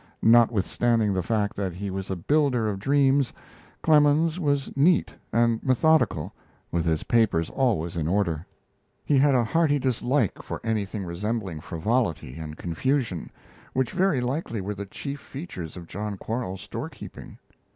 Notwithstanding the fact that he was a builder of dreams, Clemens was neat and methodical, with his papers always in order. He had a hearty dislike for anything resembling frivolity and confusion, which very likely were the chief features of John Quarles's storekeeping.